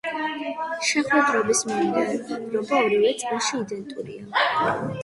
შეხვედრების მიმდევრობა ორივე წრეში იდენტურია.